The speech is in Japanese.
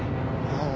ああ。